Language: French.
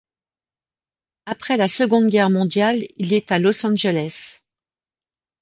Après la Seconde Guerre mondiale, il est à Los Angeles.